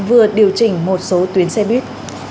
vừa điều chỉnh một số tuyến xe buýt